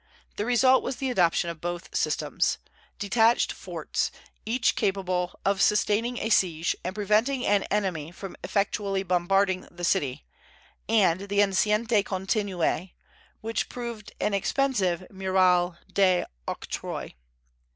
The result was the adoption of both systems, detached forts, each capable of sustaining a siege and preventing an enemy from effectually bombarding the city; and the enceinte continuée, which proved an expensive muraille d'octroi.